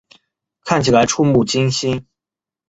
看起来怵目惊心